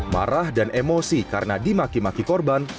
marah dan emosi karena dimaki maki korban